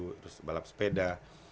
terus balap sepeda